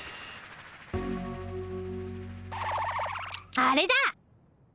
あれだ！